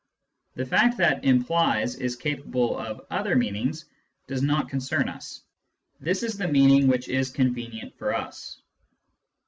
(The fact that " implies " is capable of other meanings does not concern us ; this is the meaning which is convenient for us.)